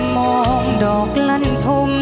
โปรดติดตามตอนต่อไป